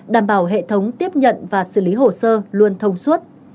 đảm bảo hệ thống tiếp nhận và xử lý hồ sơ luôn thông suốt